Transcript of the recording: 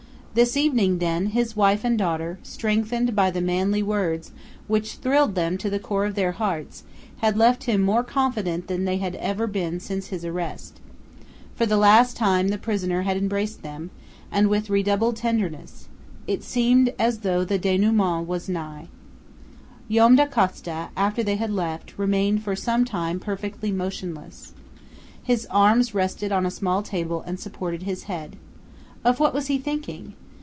This evening, then, his wife and daughter, strengthened by the manly words, which thrilled them to the core of their hearts, had left him more confident than they had ever been since his arrest. For the last time the prisoner had embraced them, and with redoubled tenderness. It seemed as though the dénouement was nigh. Joam Dacosta, after they had left, remained for some time perfectly motionless. His arms rested on a small table and supported his head. Of what was he thinking?